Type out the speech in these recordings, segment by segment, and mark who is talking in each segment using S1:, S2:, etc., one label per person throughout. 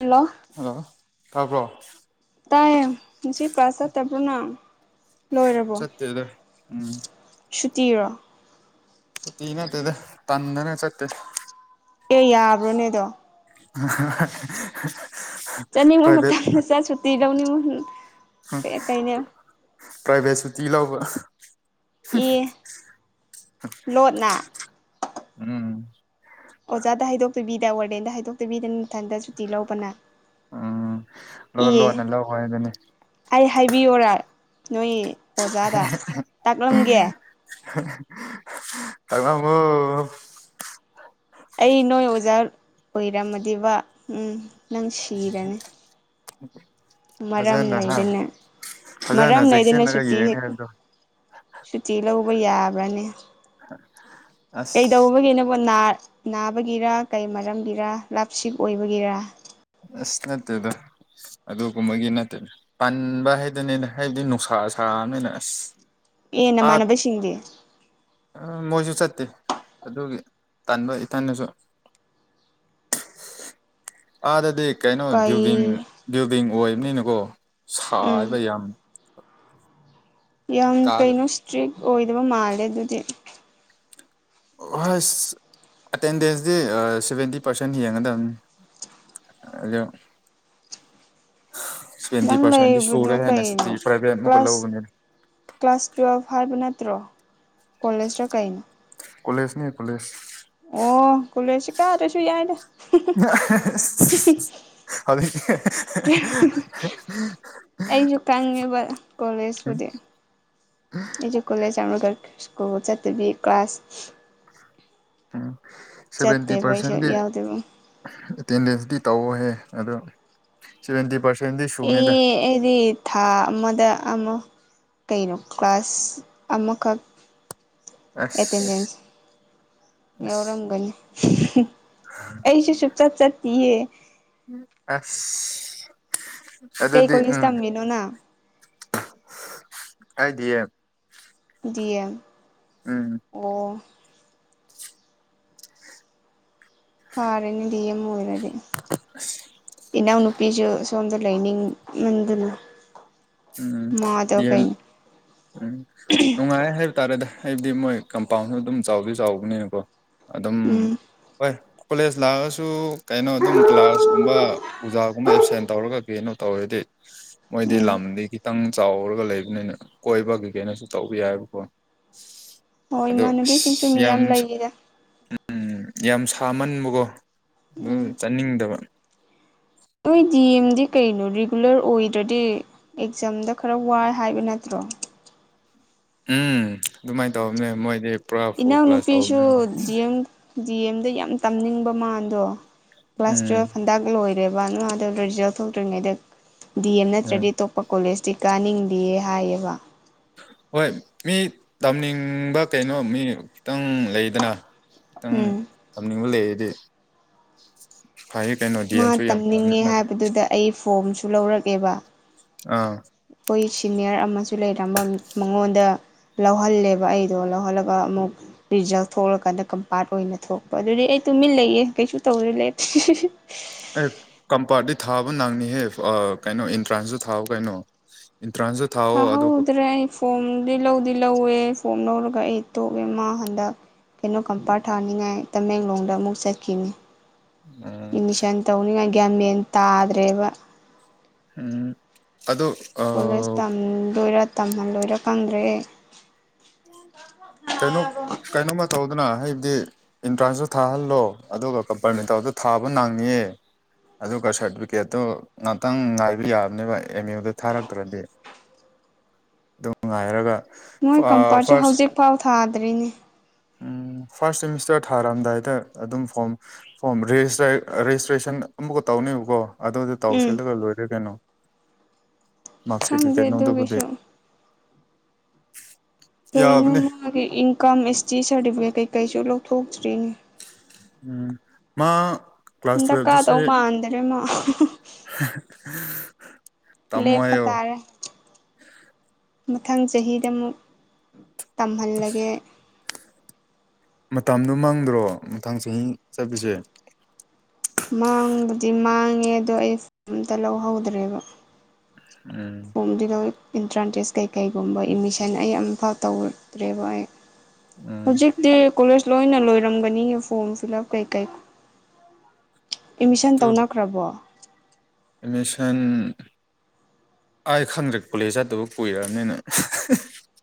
S1: Hello
S2: hello ꯇꯥꯕ꯭ꯔꯣ
S1: ꯇꯥꯏꯌꯦ ꯉꯁꯤ ꯀ꯭ꯂꯥꯁ ꯆꯠꯇꯕ꯭ꯔꯣ ꯅꯪ ꯂꯣꯏꯔꯕꯣ
S2: ꯆꯠꯇꯦꯗ ꯎꯝ
S1: ꯁꯨꯇꯤꯔꯣ
S2: ꯁꯨꯇꯤ ꯅꯠꯇꯦꯗ ꯇꯟꯗꯅ ꯆꯠꯇꯦ
S1: ꯑꯦ ꯌꯥꯕ꯭ꯔꯣꯅꯦ ꯑꯗꯣ
S2: [unintelligible]
S1: ꯆꯠꯅꯤꯡꯕ
S2: ꯄ꯭ꯔꯥꯏꯚꯦꯠ
S1: ꯃꯇꯝꯗ ꯆꯠ ꯁꯨꯇꯤ ꯂꯧꯅꯤꯡꯕ ꯀꯩ ꯀꯩꯅꯣ
S2: ꯄ꯭ꯔꯥꯏꯚꯦꯠ ꯁꯨꯇꯤ ꯂꯧꯕ
S1: ꯑꯦ
S2: [unintelligible]
S1: ꯂꯣꯠꯅ
S2: ꯎꯝ
S1: ꯑꯣꯖꯥꯗ ꯍꯥꯏꯗꯣꯛꯇꯕꯤꯗ ꯋꯥꯔꯗꯦꯟꯗ ꯍꯥꯏꯗꯣꯛ ꯇꯕꯤꯗ ꯅꯊꯟꯗ ꯁꯨꯇꯤ ꯂꯧꯕꯅ
S2: ꯎꯝ ꯂꯣꯟ
S1: ꯏꯌꯦ
S2: ꯂꯣꯟꯅ ꯂꯧ ꯍꯥꯏꯗꯨꯅꯤ
S1: ꯑꯩ ꯍꯥꯏꯕꯤꯌꯣꯔ ꯅꯣꯏ ꯑꯣꯖꯥꯗ ꯇꯥꯛꯂꯝꯒꯦ
S2: [unintelligible]
S1: ꯑꯩ ꯅꯣꯏ ꯑꯣꯖꯥ ꯑꯣꯏꯔꯝꯃꯗꯤꯕ ꯎꯝ ꯅꯪ ꯁꯤꯔꯅꯤ
S2: [inaudible]
S1: ꯃꯔꯝ
S2: ꯐꯖꯅ ꯍꯥ
S1: ꯂꯩꯗꯅ
S2: ꯐꯖꯅ
S1: ꯃꯔꯝ ꯂꯩꯗꯅ
S2: ꯆꯦꯛꯁꯤꯜꯂꯒ
S1: ꯁꯨꯇꯤ
S2: ꯌꯦꯡꯅꯤ
S1: ꯍꯦꯛ ꯎꯝ
S2: ꯍꯥꯏꯕꯗꯣ
S1: ꯁꯨꯇꯤ ꯂꯧꯕ ꯌꯥꯕ꯭ꯔꯅꯦ
S2: [inaudible]
S1: ꯀꯩꯗꯧꯕꯒꯤꯅꯣꯕ ꯅꯥ ꯅꯥꯕꯒꯤꯔ ꯀꯩ ꯃꯔꯝꯒꯤꯔ ꯂꯞ ꯁꯤꯛ ꯑꯣꯏꯕꯒꯤꯔ
S2: ꯑꯁ ꯅꯠꯇꯦꯗ ꯑꯗꯨꯒꯨꯝꯕꯒꯤ ꯅꯠꯇꯦꯅ ꯄꯥꯟꯕ ꯍꯥꯏꯗꯅꯅ ꯍꯥꯏꯕꯗꯤ ꯅꯨꯡꯁꯥ ꯁꯥꯥꯃꯤꯅ ꯑꯁ
S1: ꯑꯦ
S2: ꯑꯥ
S1: ꯅꯃꯥꯟꯅꯕꯁꯤꯡꯗꯤ?
S2: ꯃꯣꯏꯁꯨ ꯆꯠꯇꯦ ꯑꯗꯨꯒꯤ ꯇꯥꯟꯕ ꯏꯊꯟꯅꯁꯨ꯫ [inaudible] ꯑꯥꯗꯗꯤ ꯀꯩꯅꯣ ꯚꯤꯜꯗꯤꯡ
S1: ꯀꯩ
S2: ꯚꯤꯜꯗꯤꯡ ꯑꯣꯏꯕꯅꯤꯅꯀꯣ
S1: ꯎꯝ
S2: ꯁꯥꯏꯕ ꯌꯥꯝ꯫
S1: ꯌꯥꯝ
S2: ꯀꯥꯗ
S1: ꯀꯩꯅꯣ ꯏꯁꯇ꯭ꯔꯤꯛ ꯑꯣꯏꯗꯕ ꯃꯥꯜꯂꯦ ꯑꯗꯨꯗꯤ꯫
S2: ꯍꯣꯏꯁ ꯑꯦꯇꯦꯟꯗꯦꯟꯁꯇꯤ ꯁꯚꯦꯟꯇꯤ ꯄꯥꯔꯁꯦꯟ ꯌꯦꯡꯒꯗꯕꯅꯤ꯫ [unintelligible] ꯁꯚꯦꯟꯇꯤ
S1: ꯅꯪ
S2: ꯄꯔꯁꯦꯟꯗꯤ
S1: ꯂꯩꯕꯗꯣ
S2: ꯁꯨꯔꯦꯍꯦ
S1: ꯀꯩꯅꯣ
S2: ꯅꯁꯤꯗꯤ ꯄꯔꯚꯦꯠ ꯑꯃꯨꯛꯀ
S1: ꯀ꯭ꯂꯥꯁ
S2: ꯂꯧꯕꯅꯦ꯫
S1: ꯀ꯭ꯂꯥꯁ ꯇꯨꯌꯦꯜꯐ ꯍꯥꯏꯕ ꯅꯠꯇ꯭ꯔꯣ? ꯀꯣꯂꯦꯖꯔ ꯀꯩꯅꯣ?
S2: ꯀꯣꯂꯦꯖꯅꯦ ꯀꯣꯂꯦꯖ꯫
S1: ꯑꯣ ꯀꯨꯂꯦꯖꯇꯤ ꯀꯥꯗ꯭ꯔꯥꯁꯨ ꯌꯥꯏꯗ꯫
S2: [unintelligible]
S1: ꯑꯩꯁꯨ ꯀꯪꯉꯤꯕ ꯀꯣꯂꯦꯖꯄꯨꯗꯤ꯫ ꯑꯩꯁꯨ ꯀꯣꯂꯦꯖ ꯌꯥꯝꯒꯔ ꯏꯁꯀꯨꯜ ꯆꯠꯕꯤ ꯀ꯭ꯂꯥꯁ
S2: ꯎꯝ ꯁꯦꯚꯦꯟꯇꯤ
S1: ꯆꯠꯇꯦꯕ ꯑꯩꯁꯨ
S2: ꯄꯥꯔꯁꯦꯟꯗꯤ,
S1: ꯌꯥꯎꯗꯦꯕ
S2: ꯑꯦꯇꯦꯟꯗꯦꯟꯁꯇꯤ ꯇꯧꯍꯦ ꯑꯗꯨꯝ ꯁꯚꯦꯟꯇꯤ ꯄꯥꯔꯁꯦꯟꯗꯤ ꯁꯨꯅꯤꯗ꯫
S1: ꯑꯦ ꯑꯩꯗꯤ, ꯊꯥ ꯑꯃꯗ ꯑꯃ ꯀꯩꯅꯣ ꯀ꯭ꯂꯥꯁ ꯑꯃꯈꯛ,
S2: ꯑꯁ
S1: ꯑꯦꯇꯦꯟꯗꯦꯟꯁ,
S2: ꯑꯁ
S1: ꯌꯥꯎꯔꯝꯒꯅꯤ ꯑꯩꯁꯨ ꯁꯨꯛ ꯆꯠ ꯆꯠꯇꯤꯌꯦ꯫
S2: ꯑꯁ
S1: ꯀꯩ
S2: ꯑꯗꯨꯗꯤ
S1: ꯀꯣꯂꯦꯖ
S2: ꯎꯝ꯫
S1: ꯇꯝꯃꯤꯅꯣ ꯅꯪ
S2: ꯀꯥꯏꯗꯤꯌꯦ꯫
S1: ꯗꯤꯑꯦꯝ
S2: ꯎꯝ
S1: ꯑꯣ ꯐꯥꯔꯦꯅꯦ ꯗꯤ ꯑꯦꯝ ꯑꯣꯏꯔꯗꯤ ꯏꯅꯥꯎ ꯅꯨꯄꯤꯁꯨ ꯑꯁꯣꯝꯗ ꯂꯩꯅꯤꯡ ꯃꯟꯗꯅ,
S2: ꯎꯝ ꯗꯤꯑꯦꯝ ꯎꯝ ꯅꯨꯡꯉꯥꯏ ꯍꯥꯏ ꯇꯥꯔꯦꯗ ꯍꯥꯏꯕꯗꯤ ꯃꯣꯏ ꯀꯝꯄꯥꯎꯟꯁꯨ ꯑꯗꯨꯝ ꯆꯥꯎꯗꯤ ꯆꯥꯎꯕꯅꯤꯅꯀꯣ ꯑꯗꯨꯝ
S1: ꯎꯝ
S2: ꯍꯣꯏ꯫ ꯀꯣꯂꯦꯖ ꯂꯥꯛꯑꯁꯨ ꯀꯩꯅꯣ ꯑꯗꯨꯝ ꯀ꯭ꯂꯥꯁ ꯀꯨꯝꯕ, ꯎꯖꯥꯒꯨꯝꯕ ꯑꯦꯞꯁꯦꯟ ꯇꯧꯔꯒ ꯀ꯭ꯔꯤꯅꯣ ꯇꯧꯔꯗꯤ ꯃꯣꯏꯗꯤ
S1: ꯎꯝ
S2: ꯂꯝ ꯑꯗꯩ ꯈꯤꯇꯪ ꯆꯥꯎꯔꯒ ꯂꯩꯕꯅꯤꯅ ꯀꯣꯏꯕꯒꯤ ꯀꯩꯅꯣꯁꯨ ꯇꯧꯕ ꯌꯥꯏꯕꯀꯣ꯫
S1: ꯍꯣꯏ
S2: ꯑꯗꯣ
S1: ꯏꯃꯥꯟꯅꯕꯤꯁꯤꯡꯁꯨ
S2: ꯑꯁ ꯌꯥꯝ
S1: ꯃꯤꯌꯥꯝ ꯂꯩꯌꯦꯗ꯫
S2: ꯎꯝ ꯌꯥꯝ ꯁꯥꯃꯟꯕꯀꯣ ꯑꯗꯨꯅ
S1: ꯎꯝ
S2: ꯆꯠꯅꯤꯡꯗꯕ꯫
S1: ꯅꯣꯏ ꯗꯤ ꯑꯦꯝꯗꯤ ꯀꯩꯅꯣ ꯔꯤꯒꯨꯂꯔ ꯑꯣꯏꯗ꯭ꯔꯗꯤ ꯑꯦꯛꯖꯥꯝꯗ ꯈꯔ ꯋꯥꯏ ꯍꯥꯏꯕ ꯅꯠꯇ꯭ꯔꯣ?
S2: ꯎꯝ ꯑꯗꯨꯃꯥꯏꯅ ꯇꯧꯕꯅꯦ ꯃꯣꯏꯗꯤ꯫ ꯄꯨꯔꯥ ꯐꯨꯜ
S1: ꯏꯅꯥꯎ
S2: ꯀ꯭ꯂꯥꯁ
S1: ꯅꯨꯄꯤꯁꯨ
S2: ꯇꯧꯕꯅꯤꯅ
S1: ꯗꯤꯑꯦꯝ ꯗꯤ ꯑꯦꯝꯗ ꯌꯥꯝ ꯇꯝꯅꯤꯡꯕ ꯃꯥꯗꯣ ꯀ꯭ꯂꯥꯁ
S2: ꯎꯝ
S1: ꯇꯨꯌꯦꯜꯐ ꯍꯟꯗꯛ ꯂꯣꯏ ꯔꯦꯕ ꯃꯥꯗꯣ ꯔꯤꯖꯜ ꯊꯣꯛꯇ꯭ꯔꯤꯉꯩꯗ ꯗꯤ ꯑꯦꯝ
S2: ꯎꯝ
S1: ꯅꯠꯇ꯭ꯔꯗꯤ ꯇꯣꯝ ꯄ ꯀꯣꯂꯦꯖꯇꯤ ꯀꯥꯅꯤꯡꯗꯦꯌꯦ ꯍꯥꯏꯌꯦꯕ꯫
S2: ꯍꯣꯏ ꯃꯤ ꯇꯝꯅꯤꯡꯕ ꯀꯩꯅꯣ ꯃꯤ ꯈꯤꯇꯪ ꯂꯩꯗꯅ꯫ ꯇꯪ
S1: ꯎꯝ
S2: ꯇꯝꯅꯤꯡꯕ ꯂꯩꯔꯗꯤ, ꯐꯥꯏꯌꯦ ꯀꯩꯅꯣ꯫ ꯗꯤ
S1: ꯃꯥ
S2: ꯑꯦꯝꯁꯨ ꯌꯥꯝ ꯄꯥꯝꯅ
S1: ꯇꯝꯅꯤꯡꯉꯦ
S2: ꯃꯥꯜꯂꯦ
S1: ꯍꯥꯏꯕꯗꯨꯗ ꯑꯩ ꯐꯣꯝꯁꯨ ꯂꯧꯔꯛꯑꯦꯕ
S2: ꯑꯪ
S1: ꯑꯈꯣꯏ ꯁꯤꯅꯤꯌꯔ ꯑꯃꯁꯨ ꯂꯩꯔꯝꯕ ꯃꯉꯣꯟꯗ ꯂꯧꯍꯜꯂꯦꯕ ꯑꯩꯗꯣ ꯂꯧꯍꯜꯂꯒ ꯑꯃꯨꯛ ꯔꯤꯖꯜ ꯊꯣꯛꯂꯀꯥꯟꯗ ꯀꯝꯄꯥꯠ ꯑꯣꯏꯅ ꯊꯣꯛꯄ ꯑꯗꯨꯗꯤ ꯑꯩ ꯇꯨꯃꯤꯟ ꯂꯩꯌꯦ ꯀꯩꯁꯨ ꯇꯧꯔ ꯂꯩ
S2: ꯑꯦ ꯀꯝꯄꯥꯔꯇꯤ ꯊꯥꯕ ꯅꯪꯉꯤꯍꯦ ꯀꯩꯅꯣ ꯑꯦꯟꯇ꯭ꯔꯥꯟꯁꯇꯣ ꯊꯥꯎ ꯀꯩꯅꯣ ꯏꯟꯇ꯭ꯔꯥꯥꯟꯇ
S1: ꯊꯥꯍꯧꯗ꯭ꯔꯦ ꯑꯩ ꯐꯣꯝꯗꯤ ꯂꯧꯗꯤ ꯂꯧꯋꯦ ꯐꯣꯝ ꯂꯧꯔꯒ ꯑꯩ ꯇꯣꯛꯑꯦ ꯃꯥ ꯍꯟꯗꯛ ꯀꯩꯅꯣ ꯀꯝꯄꯥꯔꯠ ꯊꯥꯅꯤꯡꯉꯥꯏ ꯇꯃꯦꯡꯂꯣꯡꯗ ꯑꯃꯨꯛ ꯆꯠꯈꯤꯅꯤ
S2: ꯎꯝ
S1: ꯑꯦꯠꯃꯤꯁꯟ ꯇꯧꯅꯤꯡꯉꯥꯏ ꯒ꯭ꯌꯥꯟ ꯃꯦꯟ ꯇꯥꯗ꯭ꯔꯦꯕ
S2: ꯎꯝ ꯑꯗꯨ
S1: ꯀꯣꯂꯦꯖ ꯇꯝꯗꯣꯢꯔ ꯇꯝꯍꯜꯂꯣꯏꯔ ꯈꯪꯗ꯭ꯔꯦ ꯑꯩ
S2: ꯀꯩꯅꯣ ꯀꯩꯅꯣꯝꯃ ꯇꯧꯗꯅ ꯍꯥꯏꯕꯗꯤ ꯑꯦꯟꯇ꯭ꯔꯥꯟꯁꯇꯣ ꯊꯥꯍꯜꯂꯣ ꯑꯗꯨꯒ ꯀꯝꯄꯔꯃꯦꯟꯇꯦꯜꯗꯣ ꯊꯥꯕ ꯅꯡꯉꯦ ꯑꯗꯨꯒ ꯁꯥꯔꯇꯤꯐꯤꯀꯦꯠꯇꯨ ꯉꯥꯛꯇꯪ ꯉꯥꯏꯕ ꯌꯥꯕꯅꯦꯕ ꯑꯦꯝ ꯌꯨꯗ ꯊꯥꯔꯛꯈ꯭ꯔꯗꯤ ꯑꯗꯨꯝ ꯉꯥꯏꯔꯒ
S1: ꯃꯣꯏ
S2: ꯑꯥ
S1: ꯀꯝꯄꯥꯔꯠꯁꯨ
S2: ꯐꯥꯔꯁ
S1: ꯍꯧꯖꯤꯛꯐꯥꯎ ꯊꯥꯗ꯭ꯔꯤ
S2: ꯎꯝ ꯐꯥꯔꯁ ꯁꯦꯃꯤꯁꯇꯔ ꯊꯥꯔꯝꯗꯥꯏꯗ ꯑꯗꯨꯝ ꯐꯣꯝ ꯐꯣꯝ ꯔꯦꯖꯤꯁꯇ꯭ꯔꯦꯁꯟ ꯑꯃꯨꯛꯀ ꯇꯧꯅꯦꯕꯀꯣ ꯑꯗꯨꯗ ꯇꯥꯎ
S1: ꯎꯝ
S2: ꯁꯤꯜꯂꯒ ꯂꯣꯏꯔꯦ ꯀꯩꯅꯣ ꯃꯥꯔꯛꯁꯤꯠꯀꯤ
S1: ꯈꯪꯗꯦ
S2: ꯀꯩꯅꯣꯗꯨꯕꯨꯗꯤ
S1: ꯑꯗꯨꯒꯤꯁꯨ ꯀꯩꯅꯣ
S2: ꯌꯥꯕꯅꯦ
S1: ꯃꯥꯒꯤ ꯏꯟꯀꯝ ꯑꯦꯁ ꯇꯤ ꯁꯥꯔꯇꯤꯐꯤꯀꯦꯠ ꯀꯩꯀꯩꯁꯨ ꯂꯧꯊꯣꯛꯇ꯭ꯔꯤꯅꯦ
S2: ꯎꯝ ꯃꯥ ꯀ꯭ꯂꯥꯁ
S1: ꯍꯟꯗꯛ
S2: ꯇꯨꯋꯦꯜꯕꯇꯁꯨ
S1: ꯀꯥꯗꯧ ꯃꯥꯟꯗꯔꯦ ꯃꯥ
S2: [unintelligible] ꯇꯝꯃꯣ
S1: ꯂꯦꯞꯄ
S2: ꯍꯥꯏꯌꯣ
S1: ꯇꯥꯔꯦ ꯃꯊꯪ ꯆꯍꯤꯗ ꯑꯃꯨꯛ ꯇꯝꯍꯜꯂꯒꯦ
S2: ꯃꯇꯝꯗꯣ ꯃꯥꯡꯗ꯭ꯔꯣ ꯃꯊꯪ ꯆꯍꯤ ꯆꯠꯄꯁꯦ
S1: ꯃꯥꯡꯕꯨꯗꯤ ꯃꯥꯡꯉꯦ ꯑꯗꯣ ꯑꯩ [unintelligible] ꯑꯝꯇ ꯂꯧꯍꯧꯗ꯭ꯔꯦꯕ
S2: ꯎꯝ
S1: ꯗꯨꯗꯣ ꯏꯟꯇ꯭ꯔꯥꯟꯇꯦꯁ ꯀꯩꯀꯩꯒꯨꯝꯕ ꯏꯃꯤꯁꯟ ꯑꯩ ꯑꯃꯐꯥꯎ ꯇꯧꯗ꯭ꯔꯦꯕ ꯑꯩ
S2: ꯎꯝ
S1: ꯍꯧꯖꯤꯛꯇꯤ ꯀꯣꯂꯦꯖ ꯂꯣꯏꯅ ꯂꯣꯏꯔꯝꯒꯅꯤ ꯐꯣꯝ ꯐꯤꯜ ꯑꯞ ꯀꯩꯀꯩ ꯑꯦꯠꯃꯤꯁꯟ
S2: ꯇꯨ
S1: ꯇꯧꯅꯈ꯭ꯔꯕꯣ
S2: ꯑꯦꯠꯃꯤꯁꯟ ꯑꯩ ꯈꯪꯗ꯭ꯔꯦ ꯀꯣꯂꯦꯖ ꯆꯠꯇꯕ ꯀꯨꯏꯔꯕꯅꯤꯅ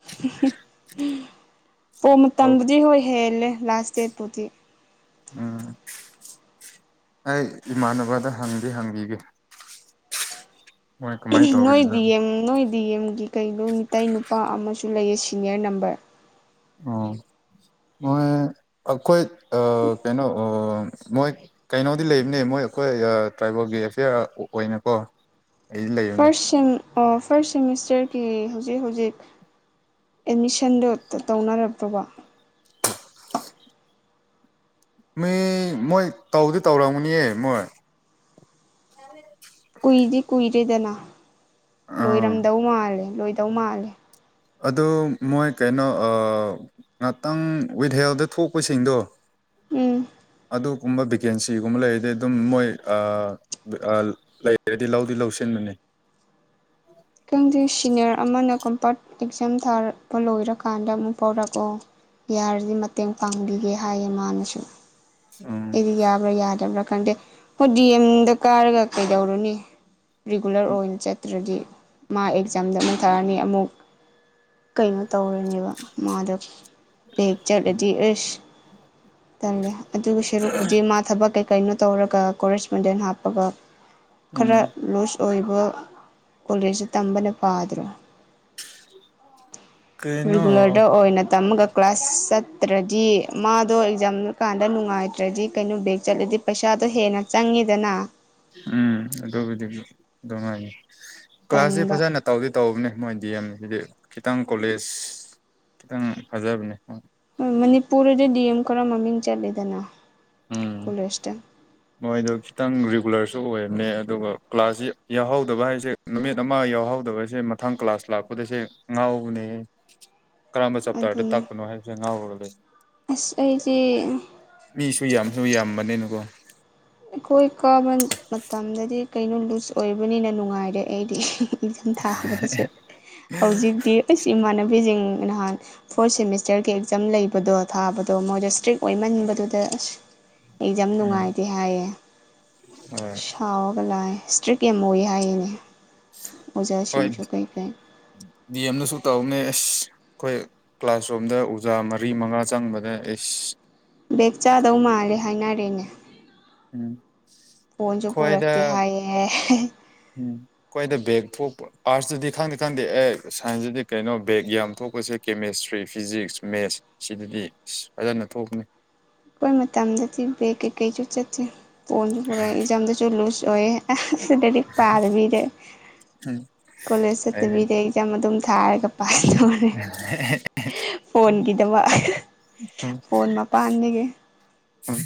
S1: [unintelligible] ꯃꯇꯝꯕꯨꯗꯤ ꯍꯣꯏ ꯍꯦꯜꯂꯦ ꯂꯥꯁ ꯗꯦꯠꯄꯨꯗꯤ
S2: ꯎꯝ ꯑꯩ ꯏꯃꯥꯟꯅꯕꯗ ꯍꯪꯗꯤ ꯍꯪꯕꯤꯒꯦ ꯃꯣꯏ ꯀꯃꯥꯏꯅ
S1: ꯅꯣꯏ
S2: ꯇꯧꯔꯤꯕ
S1: ꯗꯤ ꯑꯦꯝ ꯅꯣꯏ ꯗꯤ ꯑꯦꯝꯒꯤ ꯀꯩꯅꯣ ꯃꯤꯇꯩ ꯅꯨꯄꯥ ꯑꯃꯁꯨ ꯂꯩꯌꯦ ꯁꯤꯅꯤꯌꯔ ꯅꯝꯕꯔ
S2: ꯑꯣ ꯍꯣꯢ ꯑꯈꯣꯏ ꯑꯥ ꯀꯩꯅꯣ ꯑꯥ ꯃꯣꯏ ꯀꯩꯅꯣꯗꯤ ꯂꯩꯕꯅꯦ ꯃꯣꯏ ꯑꯩꯈꯣꯏ ꯇ꯭ꯔꯥꯏꯕꯦꯜꯒꯤ ꯑꯦꯐꯤꯌꯥꯔ ꯑꯣꯏꯅꯀꯣ ꯑꯩꯗꯤ ꯂꯩꯕꯅꯦ
S1: ꯐꯥꯔ꯭ꯁ ꯁꯦꯝ ꯐꯥꯔ꯭ꯁ ꯁꯦꯃꯤꯁꯇꯔꯒꯤ ꯍꯨꯖꯤꯛ ꯍꯨꯖꯤꯛ ꯑꯦꯠꯃꯤꯁꯟꯗꯣ ꯇꯧꯅꯔꯕꯣꯕ
S2: ꯃꯤ ꯃꯣꯏ ꯇꯧꯗꯤ ꯇꯧꯔꯝꯒꯅꯤꯌꯦ ꯃꯣꯏ
S1: ꯄꯤꯗꯅ
S2: ꯑꯥ
S1: ꯂꯣꯏꯔꯝꯗꯧ ꯃꯥꯜꯂꯦ ꯂꯣꯏꯗꯧ ꯃꯥꯜꯂꯦ
S2: ꯑꯗꯨ ꯃꯣꯏ ꯀꯩꯅꯣ ꯑꯥ ꯉꯥꯛꯇꯪ ꯋꯤꯠꯍꯦꯜꯗ ꯊꯣꯛꯄꯁꯤꯡꯗꯣ
S1: ꯎꯝ
S2: ꯑꯗꯨꯒꯨꯝꯕ ꯚꯦꯀꯦꯟꯁꯤꯒꯨꯝꯕ ꯂꯩꯔꯗꯤ ꯑꯗꯨꯝ ꯃꯣꯏ ꯑꯥ ꯂꯩꯔꯗꯤ ꯂꯧꯗꯤ ꯂꯧꯁꯤꯟꯕꯅꯤ
S1: ꯈꯪꯗꯦ ꯁꯤꯅꯤꯌꯔ ꯑꯃꯅ ꯀꯝꯄꯥꯔꯇ ꯑꯦꯛꯖꯥꯝ ꯊꯥꯔ ꯂꯣꯏꯔꯀꯥꯟꯗ ꯑꯃꯨꯛ ꯐꯥꯎꯔꯛꯑꯣ ꯌꯥꯔꯗꯤ ꯃꯇꯦꯡ ꯄꯥꯡꯕꯤꯒꯦ ꯍꯥꯏꯌꯦ ꯃꯥꯅꯁꯨ
S2: ꯎꯝ
S1: ꯑꯩꯗꯤ ꯌꯥꯕ꯭ꯔꯥ ꯌꯥꯗꯕ꯭ꯔꯥ ꯈꯪꯗꯦ ꯍꯣꯏ ꯗꯤ ꯑꯦꯝꯗ ꯀꯥꯔꯒ ꯀꯩꯗꯧꯔꯨꯅꯤ ꯔꯤꯒꯨꯂꯔ ꯑꯣꯏꯅ ꯆꯠꯇ꯭ꯔꯗꯤ ꯃꯥ ꯑꯦꯛꯖꯥꯝꯗ ꯑꯃꯨꯛꯊꯥꯔꯅꯤ ꯑꯃꯨꯛ ꯀꯩ ꯃꯨꯛ ꯇꯧꯔꯅꯦꯕ ꯃꯥꯗꯣ ꯆꯠꯂꯗꯤ ꯑꯦꯁ ꯇꯜꯂꯦ ꯑꯗꯨꯒ ꯁꯦꯔꯨꯛꯄꯨꯗꯤ ꯃꯥ ꯊꯕꯛ ꯀꯩ ꯀꯩꯅꯣ ꯇꯧꯔꯒ ꯀꯣꯔꯦꯁꯄꯣꯟꯗꯦꯟ ꯍꯥꯞꯄꯒ ꯈꯔ
S2: ꯎꯝ
S1: ꯂꯨꯁ ꯑꯣꯏꯕ ꯀꯣꯂꯦꯖꯁ ꯇꯝꯕꯅ ꯄꯥꯗ꯭ꯔꯣ
S2: ꯀꯩꯅꯣ
S1: ꯔꯤꯒꯨꯂꯔꯗ ꯑꯣꯏꯅ ꯇꯝꯃꯒ ꯀ꯭ꯂꯥꯁ ꯆꯠꯇ꯭ꯔꯗꯤ ꯃꯥꯗꯣ ꯑꯦꯛꯖꯥꯝ ꯀꯥꯟꯗ ꯅꯨꯡꯉꯥꯏꯇ ꯠꯇ꯭ꯔꯗꯤ ꯀꯩꯅꯣ ꯕꯦꯛ ꯆꯠꯂꯗꯤ ꯄꯩꯁꯥꯗꯣ ꯍꯦꯟꯅ ꯆꯪꯉꯤꯗꯅ
S2: ꯎꯝ ꯑꯗꯨꯕꯨꯗꯤ ꯑꯗꯨ ꯍꯥꯏꯌꯦ ꯀ꯭ꯂꯥꯁꯁꯦ
S1: ꯇꯟꯕ
S2: ꯐꯖꯅ ꯇꯧꯗꯤ ꯇꯧꯕꯅꯦ ꯃꯣꯏꯗꯤ ꯗꯤ ꯌꯦꯝ ꯒꯤꯗꯤ ꯈꯤꯇꯪ ꯀꯣꯂꯦꯖ ꯈꯤꯇꯪ ꯐꯖꯕꯅꯦ
S1: ꯍꯣꯏ ꯃꯅꯤꯄꯨꯔꯗꯗꯤ ꯗꯤ ꯑꯦꯝ ꯈꯔ ꯃꯃꯤꯡ ꯆꯠꯂꯤꯗꯅ
S2: ꯎꯝ
S1: ꯀꯣꯂꯦꯖꯇꯥ
S2: ꯃꯣꯏꯗꯣ ꯈꯤꯇꯪ ꯔꯤꯒꯨꯂꯔꯁꯨ ꯑꯣꯏꯕꯅꯦ ꯑꯗꯨꯒ ꯀ꯭ꯂꯥꯁꯁꯤ ꯌꯥꯎꯍꯧꯗꯕ ꯍꯥꯏꯁꯦ ꯅꯨꯃꯤꯠ ꯑꯃ ꯌꯥꯎꯍꯧꯗꯕꯁꯦ ꯃꯊꯪ ꯀ꯭ꯂꯥꯁ ꯂꯥꯛꯄꯗꯁꯦ ꯉꯥꯎꯕꯅꯦꯍꯦ ꯀꯔꯝꯕ ꯆꯞꯇꯔꯗ
S1: ꯑꯗꯨꯅ
S2: ꯇꯥꯛꯄꯅꯣ ꯍꯥꯏꯕꯁꯦ ꯉꯥꯎꯔꯒ ꯂꯩ
S1: ꯑꯁ ꯑꯩꯁꯤ
S2: ꯃꯤꯁꯨ ꯌꯥꯝꯁꯨ ꯌꯥꯝꯕꯅꯤꯅꯀꯣ
S1: ꯑꯩꯈꯣꯏ ꯀꯥꯕ ꯃꯇꯝꯗꯗꯤ ꯀꯩꯅꯣ ꯂꯨꯖ ꯑꯣꯏꯕꯅꯤꯅ ꯅꯨꯡꯉꯥꯏꯔꯦ ꯑꯩꯗꯤ ꯑꯦꯛꯖꯥꯝ ꯊꯥꯕꯗꯁꯨ ꯍꯧꯖꯤꯛꯇꯤ ꯑꯩꯁ ꯏꯃꯥꯟꯅꯕꯤꯁꯤꯡ ꯅꯍꯥꯟ ꯐꯣꯔꯠ ꯁꯦꯃꯤꯁꯇꯔꯒꯤ ꯑꯦꯛꯖꯥꯝ ꯂꯩꯕꯗꯣ ꯊꯥꯕꯗꯣ ꯃꯣꯏꯗꯣ ꯏꯁꯇ꯭ꯔꯤꯛ ꯑꯣꯏꯃꯟꯕꯗꯨꯗ ꯑꯁ ꯑꯦꯛꯖꯥꯝ
S2: ꯎꯝ
S1: ꯅꯨꯡꯉꯥꯏꯇꯦ ꯍꯥꯏꯌꯦ
S2: ꯍꯣꯏ
S1: ꯁꯥꯎꯔꯒ ꯂꯥꯛꯑꯦ ꯏꯁꯇ꯭ꯔꯤꯛ ꯌꯥꯝꯅ ꯑꯣꯏ ꯍꯥꯏꯌꯦꯅꯦ
S2: ꯍꯣꯏ
S1: ꯑꯣꯖꯥꯁꯤꯡꯁꯨ ꯀꯩ ꯀꯩ
S2: ꯗꯤ ꯑꯦꯝꯗꯁꯨ ꯇꯧꯕꯅꯦ ꯑꯁ ꯑꯈꯣꯏ ꯀ꯭ꯂꯥꯁꯔꯨꯝꯗ ꯑꯣꯖꯥ ꯃꯔꯤ ꯃꯉꯥ ꯆꯪꯕꯗ ꯑꯩꯁ
S1: ꯕꯦꯛ ꯆꯥꯗꯧ ꯃꯥꯜꯂꯦ ꯍꯥꯏꯅꯔꯦꯅꯦ
S2: ꯎꯝ
S1: ꯐꯣꯟꯁꯨ
S2: ꯈ꯭ꯋꯥꯏꯗ
S1: ꯄꯔꯛꯇꯦ ꯍꯥꯏꯌꯦ
S2: ꯎꯝ ꯑꯈꯣꯏꯗ ꯕꯦꯒ ꯊꯣꯀꯄꯥ ꯑꯥꯔꯁꯇꯗꯤ ꯈꯪꯗꯤ ꯈꯪꯗꯦ ꯁꯥꯏꯟꯁꯇꯗꯤ ꯀꯩꯅꯣ ꯕꯦꯒ ꯌꯥꯝ ꯊꯣꯀꯞꯁꯦ ꯀꯦꯃꯦꯁꯇ꯭ꯔꯤ ꯐꯤꯖꯤꯛꯁ ꯃꯦꯠꯁ ꯁꯤꯗꯗꯤ ꯐꯖꯅ ꯊꯣꯀꯞꯅꯤ
S1: ꯑꯈꯣꯏ ꯃꯇꯝꯗꯗꯤ ꯕ꯭ꯦꯒ ꯀꯩ ꯀꯩꯁꯨ ꯆꯠꯇꯦ ꯐꯣꯟꯁꯨ ꯄꯨꯔꯛꯑꯦ ꯑꯦꯛꯖꯥꯝꯗꯁꯨ ꯂꯨꯖ ꯑꯣꯏꯌꯦ ꯂꯥꯢꯔꯤꯛ ꯄꯥꯗꯕꯤꯗ ꯀꯣꯂꯦꯖ
S2: ꯑꯩ
S1: ꯁꯠꯇꯕꯤꯗ ꯑꯦꯛꯖꯥꯝ ꯑꯗꯨꯝ ꯊꯥꯔꯒ ꯄꯥꯁ ꯇꯧꯔꯦ
S2: [unintelligible]
S1: ꯐꯣꯟꯒꯤꯗꯃꯛ
S2: ꯎꯝ
S1: ꯐꯣꯟ ꯃꯄꯥꯟꯗꯒꯤ
S2: ꯎꯝ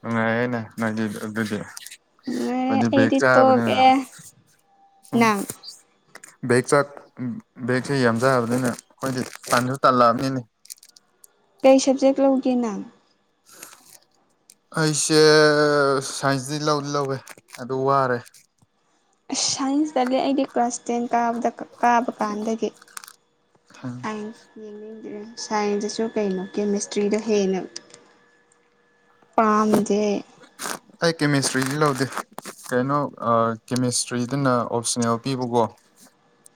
S2: ꯅꯨꯡꯉꯥꯏꯔꯦꯅꯦ ꯅꯣꯢꯗꯤ ꯑꯗꯨꯗꯤ
S1: ꯅꯨꯡꯉꯥꯏꯔꯦ
S2: ꯑꯈꯣꯢꯗꯤ ꯕꯦꯒ
S1: ꯑꯩꯗꯤ
S2: ꯆꯕꯅꯤꯅ
S1: ꯇꯣꯛꯑꯦ
S2: ꯎꯝ
S1: ꯅꯪ
S2: ꯕꯦꯛ ꯆꯥꯛ ꯕꯦꯒꯁꯦ ꯌꯥꯝ ꯆꯥꯕꯅꯤꯅ ꯑꯈꯣꯏꯗꯤ ꯇꯟꯁꯨ ꯇꯜꯂꯛꯑꯕꯅꯤꯅꯦ
S1: ꯀꯩ ꯁꯕꯖꯦꯛ ꯂꯧꯒꯦ ꯅꯪ
S2: [inaudible] ꯑꯩꯁꯦ ꯁꯥꯏꯟꯁꯇꯤ ꯂꯧꯗꯤ ꯂꯧꯋꯦ ꯑꯗꯣ ꯋꯥꯔꯦ
S1: ꯑꯁ ꯁꯥꯏꯟꯁ ꯇꯜꯂꯦ ꯑꯩꯗꯤ ꯀ꯭ꯂꯥꯁ ꯇꯦꯟ ꯀꯥꯕꯗ ꯀꯥꯕ ꯀꯥꯟꯗꯒꯤ ꯁꯥꯏꯟꯁ ꯃꯤꯅꯤꯡ ꯁꯥꯏꯟꯁꯇꯁꯨ ꯀꯩꯅꯣ ꯀꯦꯃꯦꯁꯇ꯭ꯔꯤꯗ ꯍꯦꯟꯅ ꯄꯥꯝꯗꯦ
S2: ꯑꯩ ꯀꯦꯃꯦꯁꯇ꯭ꯔꯤꯗꯤ ꯂꯧꯗꯦ ꯀꯩꯅꯣ ꯑ ꯀꯦꯃꯦꯁꯇ꯭ꯔꯤꯗꯅ ꯑꯣꯞꯁꯅꯦꯜ ꯄꯤꯕꯀꯣ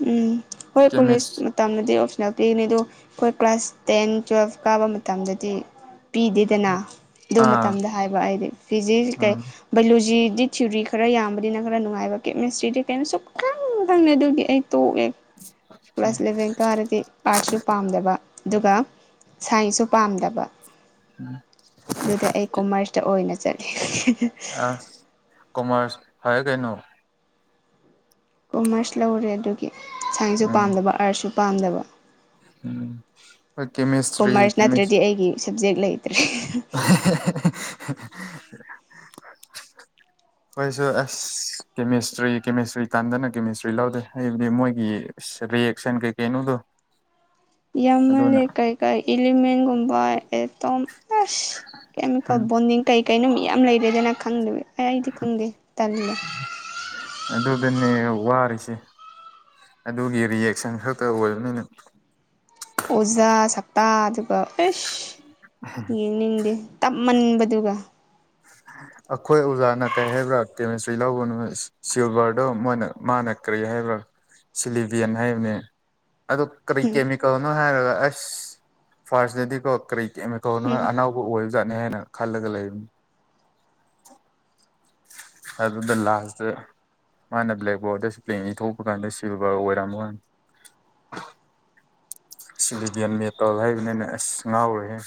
S1: ꯎꯝ ꯈꯣꯏ ꯀꯣꯂꯦꯁ
S2: ꯀꯦꯃꯤꯁ
S1: ꯇꯝꯗꯗꯤ ꯑꯣꯞꯁꯅꯦꯜ ꯄꯤꯕꯅꯤ ꯑꯗꯨ ꯑꯈꯣꯏ ꯀ꯭ꯂꯥꯁ ꯇꯦꯟ ꯇ꯭ꯋꯦꯜꯐ ꯀꯥꯕ ꯃꯇꯝꯗꯗꯤ ꯄꯤꯗꯦꯗꯅꯥ ꯑꯗꯨ
S2: ꯑꯥ
S1: ꯃꯇꯝꯗ ꯍꯥꯏꯕ ꯑꯩꯗꯤ ꯐꯤꯖꯤꯛꯁ ꯀꯩ
S2: ꯑꯥ
S1: ꯕꯥꯏꯂꯣꯖꯤꯗꯤ ꯊꯤꯌꯣꯔꯤ ꯈꯔ ꯌꯥꯝꯕꯅꯤꯅ ꯈꯔ ꯅꯨꯡꯉꯥꯏꯕ ꯀꯦꯃꯦꯁꯇ꯭ꯔꯤꯗꯤ ꯀ꯭ꯌꯝ ꯁꯨꯛꯈꯪ ꯈꯪꯗꯦ ꯑꯗꯨꯗꯤ ꯑꯩ ꯇꯧꯑꯦ ꯀ꯭ꯂꯥꯁ ꯢꯂꯚꯦꯟ ꯀꯥꯔꯗꯤ ꯑꯥꯔꯠꯁꯁꯨ ꯄꯥꯝꯗꯕ ꯑꯗꯨꯒ ꯁꯥꯏꯟꯁꯁꯨ ꯄꯥꯝꯗꯕ
S2: [unintelligible]
S1: ꯑꯗꯨꯗ ꯑꯩ ꯀꯣꯃ꯭ꯔꯁꯇ ꯑꯣꯏꯅ ꯆꯠꯂꯦ
S2: ꯑꯥ ꯀꯣꯃ꯭ꯔꯁ ꯐꯔꯦ ꯀꯩꯅꯣ
S1: ꯀꯣꯃ꯭ꯔꯁ ꯂꯧꯔꯦ ꯑꯗꯨꯒꯤ ꯁꯥꯏꯟꯁꯁꯨ
S2: ꯎꯝ
S1: ꯄꯥꯝꯗꯕ ꯑꯥꯔꯠꯁꯁꯨ ꯄꯥꯝꯗꯕ
S2: ꯎꯝ ꯍꯣꯢ ꯀꯦꯃꯦꯁꯇ꯭ꯔꯤ
S1: ꯀꯣꯃꯔꯁ
S2: ꯀꯦꯃꯦꯁ
S1: ꯅꯠꯇ꯭ꯔꯗꯤ ꯑꯩꯒꯤ ꯁꯕꯖꯦꯛ ꯂꯩꯇ꯭ꯔꯦ
S2: [unintelligible] [unintelligible] ꯑꯈꯣꯢꯁꯨ ꯑꯁ ꯀꯦꯃꯦꯁꯇ꯭ꯔꯤ ꯀꯦꯃꯦꯁꯇ꯭ꯔꯤ ꯇꯟꯗꯅ ꯀꯦꯃꯦꯁꯇ꯭ꯔꯤ ꯂꯧꯗꯦ ꯍꯥꯏꯕꯗꯤ ꯃꯣꯏꯒꯤ ꯑꯁ ꯔꯤꯌꯦꯛꯁꯟ ꯀꯩ ꯀꯩꯩꯅꯣꯗꯣ
S1: ꯌꯥꯝꯃꯜꯂꯦ ꯀꯩꯀꯩ ꯏꯂꯤꯃꯦꯟꯠ ꯒꯨꯝꯕ ꯑꯦꯇꯣꯝ ꯑꯁ ꯀꯦꯃꯤꯀꯦꯜ
S2: ꯎꯝ
S1: ꯕꯣꯟꯗꯤꯡ ꯀꯩ ꯀꯩꯅꯣ ꯃꯌꯥꯝ ꯂꯩꯔꯦꯗꯅꯥ ꯈꯪꯗꯕꯤ ꯑꯦ ꯑꯩꯗꯤ ꯈꯪꯗꯦ ꯇꯜꯂꯦ
S2: ꯑꯗꯨꯗꯅꯦ ꯋꯥꯔꯤꯁꯦ ꯑꯗꯨꯒꯤ ꯔꯤꯌꯦꯛꯁꯟ ꯈꯛꯇ ꯑꯣꯏꯕꯅꯤꯅ
S1: ꯑꯣꯖꯥ ꯁꯛꯇꯥꯗꯨꯒ ꯑꯩꯁ ꯌꯦꯡꯅꯤꯡꯗꯦ ꯇꯞꯃꯟꯕꯗꯨꯒ
S2: [inaudible] ꯑꯈꯣꯏ ꯑꯣꯖꯥꯅ ꯀꯔꯤ ꯍꯥꯏꯕ꯭ꯔꯥ ꯀꯦꯃꯦꯁꯇ꯭ꯔꯤ ꯂꯧꯒꯅꯨ ꯁꯤꯜꯚꯔꯗꯣ ꯃꯣꯏꯅ ꯃꯥꯥꯅ ꯀꯔꯤ ꯍꯥꯏꯕ꯭ꯔꯥ ꯁꯤꯂꯤꯕꯤꯌꯟ ꯍꯥꯏꯕꯅꯦ ꯑꯗꯨ ꯀꯔꯤ ꯀꯦꯃꯤꯀꯦꯜꯅꯣ ꯍꯥꯏꯔꯒ ꯑꯁ ꯐꯥꯔꯁꯗꯗꯤꯀꯣ ꯀꯔꯤ ꯀꯦꯝꯃꯦ
S1: ꯎꯝ
S2: [unintelligible] ꯑꯅꯧꯕ ꯑꯣꯏꯕꯖꯥꯠꯅꯦ ꯍꯥꯏꯅ ꯈꯜꯂꯒ ꯂꯩꯕꯅꯤ ꯑꯗꯨꯗ ꯂꯥꯁꯠꯗ ꯃꯥꯅ ꯕ꯭ꯂꯦꯛꯕꯣꯔꯠꯗ ꯁꯄ꯭ꯂꯦꯟ ꯏꯊꯣꯛꯄ ꯀꯥꯟꯗ ꯁꯤꯜꯚꯔ ꯑꯣꯏꯔꯝꯕꯋꯥꯟ ꯁꯤꯂꯤꯚ꯭ꯌꯟ ꯃꯦꯇꯜ ꯍꯥꯏꯕꯅꯤꯅ ꯑꯁ ꯉꯥꯎꯔꯦꯍꯦ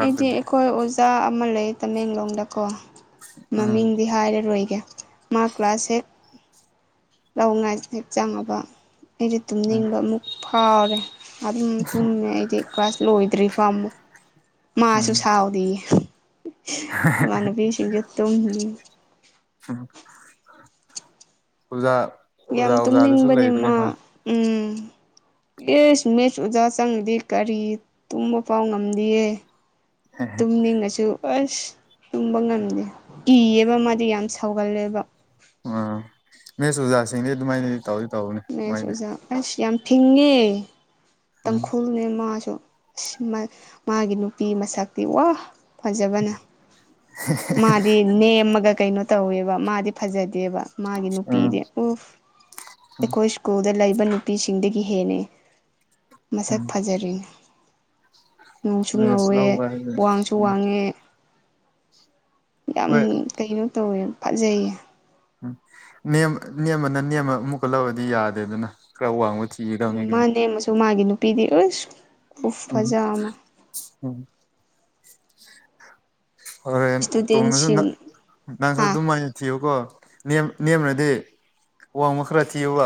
S1: ꯑꯩꯗꯤ ꯑꯩꯈꯣꯏ ꯑꯣꯖꯥ ꯑꯃ ꯂꯩꯌꯦ ꯇꯃꯦꯡꯂꯣꯡꯗꯀꯣ
S2: ꯎꯝ
S1: ꯃꯃꯤꯡꯗꯤ ꯍꯥꯏꯔꯔꯣꯏꯒꯦ ꯃꯥ ꯀ꯭ꯂꯥꯁꯁꯦ ꯂꯧ ꯉꯥꯏ ꯍꯦꯛ ꯆꯪꯉꯕ ꯑꯩꯗꯤ
S2: ꯎꯝ
S1: ꯇꯨꯝꯅꯤꯡꯕ ꯑꯃꯨꯛ ꯐꯥꯎꯔꯦ ꯑꯗꯨꯝ ꯇꯨꯝꯃꯦ ꯑꯩꯗꯤ ꯀ꯭ꯂꯥꯁ ꯂꯣꯏꯗ꯭ꯔꯤꯐꯥꯎ ꯃꯨꯛ ꯃꯥꯁꯨ
S2: ꯎꯝ
S1: ꯁꯥꯎꯗꯤꯌꯦ ꯏꯃꯥꯟꯅꯕꯤꯁꯤꯡꯖꯨ ꯇꯨꯝꯃꯤ
S2: [unintelligible] ꯑꯣꯖꯥ ꯑꯣꯖꯥ
S1: ꯌꯥꯝ
S2: ꯑꯣꯖꯥꯗꯁꯨ
S1: ꯇꯨꯝꯅꯤꯡꯕꯅꯦ
S2: ꯂꯩꯕꯅꯦ
S1: ꯃꯥ
S2: ꯍꯣꯏ
S1: ꯎꯝ ꯌꯦꯁ ꯃꯦꯠꯁ ꯑꯣꯖꯥ ꯆꯪꯉꯗꯤ ꯀꯔꯤ ꯇꯨꯝꯕ ꯐꯥꯎ ꯉꯝꯗꯤꯌꯦ ꯇꯨꯝꯅꯤꯡꯉꯁꯨ ꯑꯁ ꯇꯨꯝꯕ ꯉꯝꯗꯦ ꯀꯤꯌꯦꯕ ꯃꯥꯗꯤ ꯌꯥꯝ ꯁꯥꯎꯒꯜꯂꯦꯕ
S2: ꯑꯥ ꯃꯦꯠꯁ ꯑꯣꯖꯥꯁꯤꯡꯗꯤ ꯑꯗꯨꯃꯥꯏꯅꯗꯤ ꯇꯧꯏ
S1: ꯃꯦꯠꯁ ꯑꯣꯖꯥ ꯑꯁ ꯌꯥꯝ ꯊꯤꯡꯉꯦ
S2: ꯎꯝ
S1: ꯇꯥꯡꯈꯨꯜꯅꯦ ꯃꯥꯁꯨ ꯃꯥꯒꯤ ꯅꯨꯄꯤ ꯃꯁꯛꯇꯤ ꯋꯥ ꯐꯖꯕꯅ ꯃꯥꯗꯤ ꯅꯦꯝꯃꯒ ꯀꯩꯅꯣ ꯇꯧꯋꯦꯕ ꯃꯥꯗꯤ ꯐꯖꯗꯦꯕ ꯃꯥꯒꯤ
S2: ꯎꯝ
S1: ꯅꯨꯄꯤꯗꯤ
S2: ꯎꯝ
S1: ꯑꯩꯈꯣꯏ ꯁ꯭ꯀꯨꯜꯗ ꯂꯩꯕ ꯅꯨꯄꯤꯁꯤꯡꯗꯒꯤ ꯍꯦꯟꯅ
S2: ꯎꯝ
S1: ꯃꯁꯛ ꯐꯖꯔꯤꯅꯤ ꯉꯧꯁꯨ
S2: ꯃꯦꯁ
S1: ꯉꯧꯋꯦ
S2: ꯂꯧꯕ ꯍꯥꯏꯁꯦ
S1: ꯋꯥꯡꯁꯨ
S2: ꯎꯝ
S1: ꯋꯥꯡꯉꯦ ꯌꯥꯝ
S2: ꯍꯣꯏ
S1: ꯀꯩꯅꯣ ꯇꯧꯋꯦ ꯐꯖꯩꯌꯦ
S2: ꯅꯦꯝꯕꯅ ꯅꯦꯝꯕ ꯑꯃꯨꯛꯀ ꯂꯧꯔꯗꯤ ꯌꯥꯗꯦꯗꯅ ꯈꯔꯥ ꯋꯥꯡꯕ ꯊꯤꯒ
S1: ꯃꯥꯅꯦꯝꯃꯥꯁꯨ ꯃꯥꯒꯤ ꯅꯨꯄꯤꯗꯤ ꯑꯣꯏꯁ
S2: [unintelligible] ꯍꯣꯔꯦꯟ ꯇꯣꯛꯅꯗꯅ
S1: ꯏꯁꯇꯨꯗꯦꯟꯁꯤꯡ
S2: ꯅꯪꯁꯨ
S1: ꯍꯥ
S2: ꯑꯗꯨ ꯃꯥꯏ ꯊꯤꯌꯨꯀꯣ ꯅꯦꯝ ꯅꯦꯝꯔꯗꯤ ꯋꯥꯡꯕ ꯈꯔ ꯊꯤꯌꯨꯕ